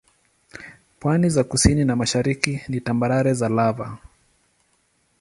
Pwani za kusini na mashariki ni tambarare za lava.